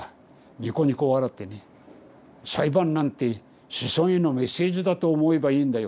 にこにこ笑ってね「裁判なんて『子孫へのメッセージ』だと思えばいいんだよ」